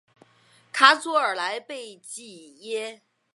卡祖尔莱贝济耶。